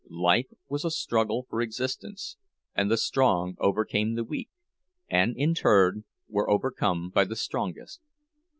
Life was a struggle for existence, and the strong overcame the weak, and in turn were overcome by the strongest.